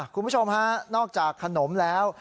คุณผู้ชมฮะนอกจากขนมแล้ว